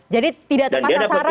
jadi tidak tepat sasaran ya